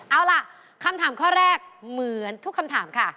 เอาล่ะคำถามข้อแรกเหมือนทุกคำถามค่ะ